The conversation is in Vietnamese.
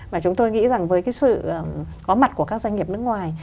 và chúng tôi nghĩ rằng với cái sự có mặt của các doanh nghiệp nước ngoài